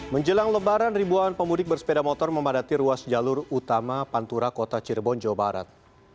menjelang lebaran ribuan pemudik bersepeda motor memadati ruas jalur utama pantura kota cirebon jawa barat